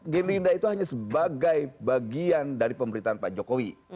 gerindra itu hanya sebagai bagian dari pemerintahan pak jokowi